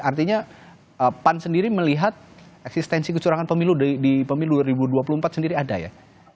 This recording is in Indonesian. artinya pan sendiri melihat eksistensi kecurangan pemilu di pemilu dua ribu dua puluh empat sendiri ada ya